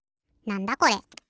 なんだこれ？